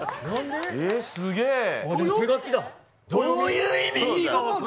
どういう意味？